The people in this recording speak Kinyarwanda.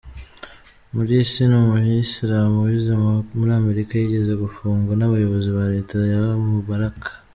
Mursi, ni Umuyisilamu wize muri Amerika, yigeze gufungwa n’abayobozi ba Leta ya Mubarak.